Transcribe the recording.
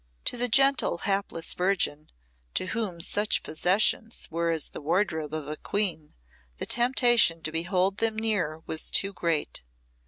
To the gentle, hapless virgin, to whom such possessions were as the wardrobe of a queen, the temptation to behold them near was too great.